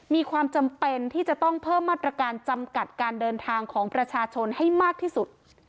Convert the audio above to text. มีความจำเป็นที่จะต้องเพิ่มมาตรการจำกัดการเดินทางของประชาชนให้มากที่สุด